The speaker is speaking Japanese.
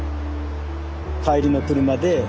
帰りの車で